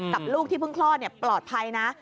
ลูกที่เพิ่งคลอดปลอดภัยนะ